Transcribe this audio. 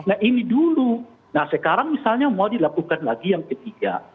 nah ini dulu nah sekarang misalnya mau dilakukan lagi yang ketiga